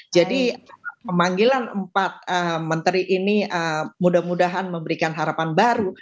jadi pemanggilan empat menteri ini mudah mudahan memberikan harapan baru